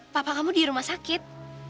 papa kamu di rumah sakit